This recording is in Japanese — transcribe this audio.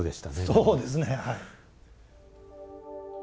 そうですねはい。